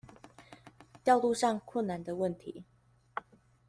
調度上困難的問題